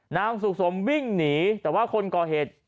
นางสุขสมวิ่งหนีแต่ว่าคนก่อเหตุ